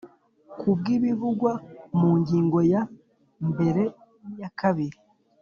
Ku bw ibivugwa mu ngingo ya mbere n iya kabiri